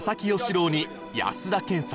郎に安田顕さん